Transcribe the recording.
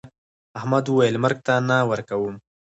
احمد وويل: مرگ ته نه ورکوم.